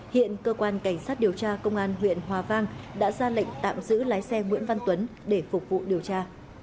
hiện cơ quan cảnh sát điều tra công an huyện hòa vang đã ra lệnh tạm giữ lái xe nguyễn văn tuấn để phục vụ điều tra